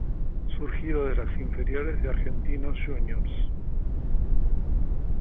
Surgido de las inferiores de Argentinos Juniors.